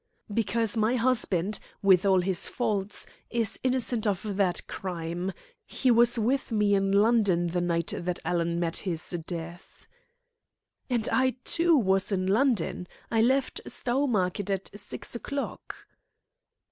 "Because my husband, with all his faults, is innocent of that crime. He was with me in London the night that Alan met his death." "And I, too, was in London. I left Stowmarket at six o'clock."